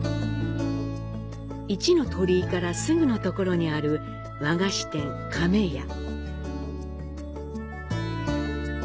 一の鳥居からすぐのところにある和菓子店、かめや。